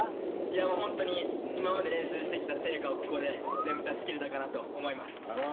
ホントに今まで練習してきた成果をここで全部出しきれたかなと思います。